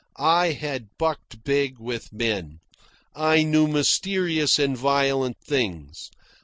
I had bucked big with men. I knew mysterious and violent things.